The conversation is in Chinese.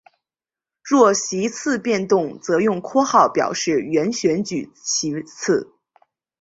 若席次变动则用括号表示原选举席次。